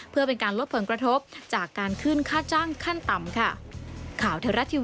เพื่อเป็นการลดผลกระทบจากการขึ้นค่าจ้างขั้นต่ำค่ะ